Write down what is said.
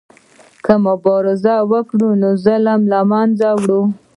که مبارزه وکړو نو ظلم له منځه وړو.